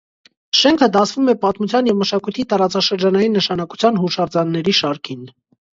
Շենքը դասվում է պատմության և մշակույթի տարածաշրջանային նշանակության հուշարձանների շարքին։